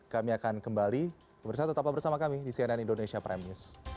kami akan kembali bersama kami di cnn indonesia prime news